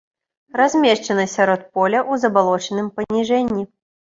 Размешчана сярод поля ў забалочаным паніжэнні.